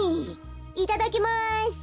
いただきます。